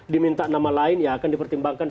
diminta nama lain yang akan dipertimbangkan